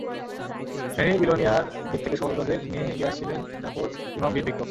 ফেনীর বিলোনিয়ার দিক থেকে সহযোদ্ধাদের নিয়ে এগিয়ে আসছিলেন জাফর ইমাম বীর বিক্রম।